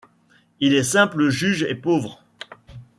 Il est simple juge et pauvre.